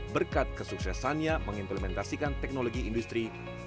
berkat kesuksesannya mengimplementasikan teknologi industri